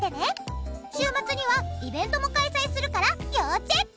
週末にはイベントも開催するから要チェック！